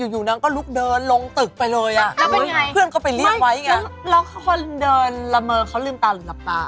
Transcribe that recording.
อันนั้นจริงอันนั้นจริง